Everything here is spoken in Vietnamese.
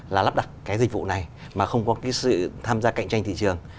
là lắp đặt cái dịch vụ này mà không có cái sự tham gia cạnh tranh thị trường